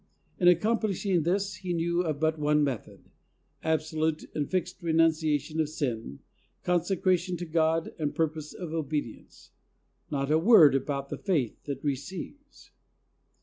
In accomplishing this, he knew of but one method — absolute and fixed renunciation of sin, consecration to God and purpose of obedience." Not a word about the faith that receives.